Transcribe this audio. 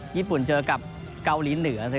ญี่ปุ่นเจอกับเกาหลีเหนือ